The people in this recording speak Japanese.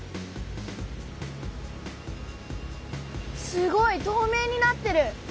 すごいとうめいになってる！